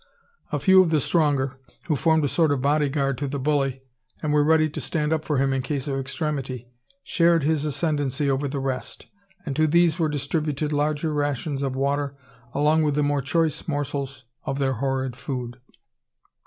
A few of the stronger, who formed a sort of bodyguard to the bully, and were ready to stand up for him in case of extremity, shared his ascendency over the rest; and to these were distributed larger rations of water, along with the more choice morsels of their horrid food.